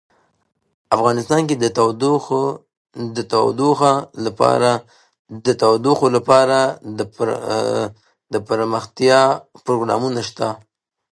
افغانستان کې د تودوخه لپاره دپرمختیا پروګرامونه شته.